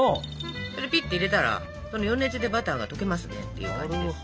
ピッて入れたらその余熱でバターが溶けますねっていう感じです。